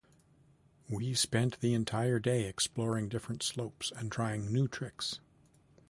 We spent the entire day exploring different slopes and trying new tricks.